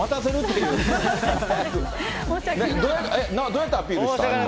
どうやってアピールしたん？